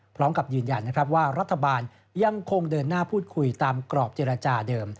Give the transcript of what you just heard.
พร้อมกับยืนยันนะครับว่ารัฐบาลยังคงเดินหน้าพูดคุยตามกรอบเจรจาเดิม